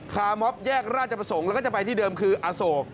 มอบแยกราชประสงค์แล้วก็จะไปที่เดิมคืออโศก